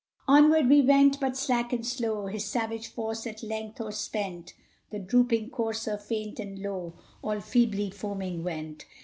....... Onward we went but slack and slow: His savage force at length o'erspent, The drooping courser, faint and low, All feebly foaming went....